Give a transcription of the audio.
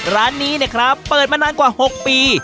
ร้านนี้นะครับเปิดมานานกว่า๖ปี